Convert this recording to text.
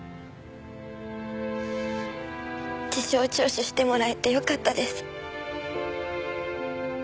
事情聴取してもらえてよかったです。